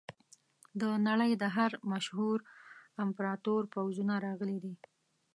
د نړۍ د هر مشهور امپراتور پوځونه راغلي دي.